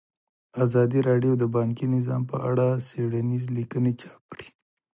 ازادي راډیو د بانکي نظام په اړه څېړنیزې لیکنې چاپ کړي.